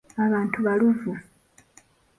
Abantu baluvu.